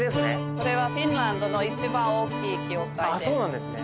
これはフィンランドの一番大きい教会ですああーそうなんですね